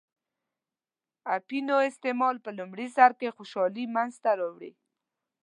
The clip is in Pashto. اپینو استعمال په لومړی سر کې خوشحالي منځته راوړي.